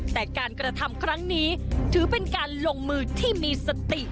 แต่การกระทำครั้งนี้ถือเป็นการลงมือที่มีสติ